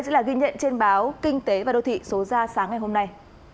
sẽ là ghi nhận trên báo kinh tế và đô thị số ra sáng ngày hôm nay